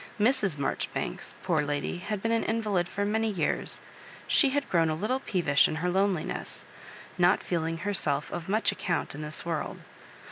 Mrs. Maijori banks^ poor lady, had been an invalid for many years; she had grown a Utile peevish in her loneliness, not feeling herself of much account in this world.